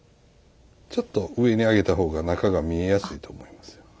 ちょっと上にあげた方が中が見えやすいと思います。